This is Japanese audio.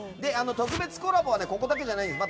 特別コラボはここだけじゃないんです。